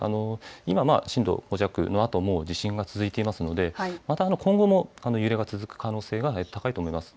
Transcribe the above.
今、震度５弱のあとも地震が続いていますので、また今後も揺れが続く可能性が高いと思います。